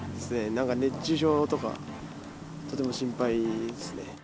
なんか熱中症とか、とても心配ですね。